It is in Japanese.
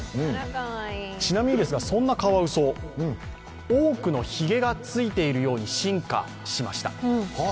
ちなみに、そんなカワウソ多くの髭がついているように進化しました。